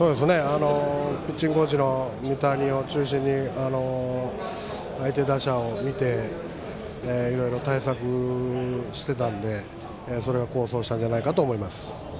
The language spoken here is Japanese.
ピッチングコーチを中心に相手打者を見ていろいろ対策してたのでそれが功を奏したんじゃないかと思います。